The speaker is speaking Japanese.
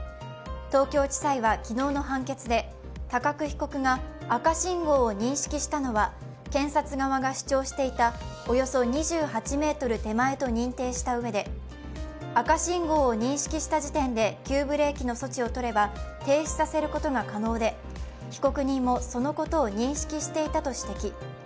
東京地裁は昨日の判決で高久被告が赤信号を認識したのは検察側が主張していたおよそ２８ｍ手前と認定したうえで赤信号を認識した時点で急ブレーキの措置をとれば停止させることが可能で被告人もそのことを認識していたと指摘。